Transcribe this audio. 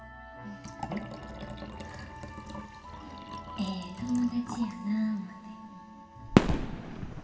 ええ友達やなぁ思て。